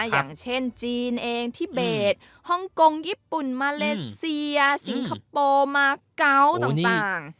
อย่างเช่นจีนเองที่เบสฮ่องกงญี่ปุ่นมาเลเซียสิงคโปร์มาเกาะต่าง